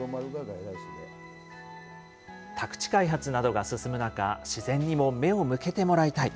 宅地開発などが進む中、自然にも目を向けてもらいたい。